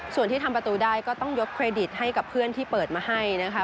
ส่วนที่ทำประตูได้ก็ต้องยกเครดิตให้กับเพื่อนที่เปิดมาให้นะคะ